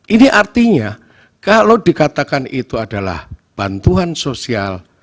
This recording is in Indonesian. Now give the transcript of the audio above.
ini artinya kalau dikatakan itu adalah bantuan sosial